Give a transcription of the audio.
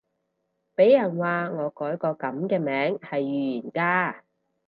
俾人話我改個噉嘅名係預言家